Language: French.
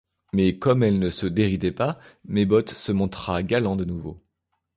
Mais, comme elle ne se déridait pas, Mes-Bottes se montra galant de nouveau.